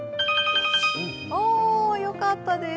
おー、よかったです。